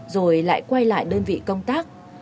rồi lại quay lại đơn vị công tác